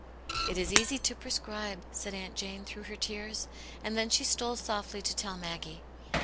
" It is easy to prescribe," said Aunt Jane, through her tears, and then she stole softly to tell Maggie.